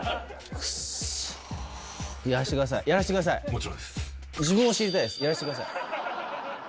もちろんです。